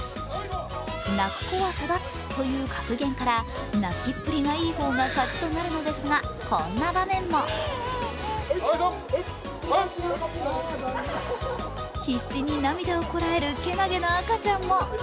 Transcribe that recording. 泣く子は育つという格言から泣きっぷりがいい方が勝ちとなるんですがこんな場面も必死に涙をこらえるけなげな赤ちゃんも。